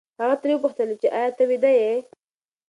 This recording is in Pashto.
هغه ترې وپوښتل چې ایا ته ویده یې؟